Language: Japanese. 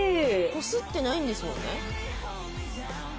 こすってないんですよね？